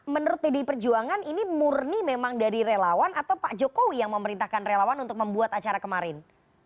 menurut pdi perjuangan ini murni memang dari relawan atau pak jokowi yang memerintahkan relawan untuk membuat acara kemarin